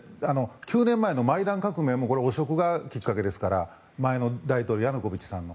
９年前のマイダン革命も汚職がきっかけですから前の大統領ヤヌコビッチさんの。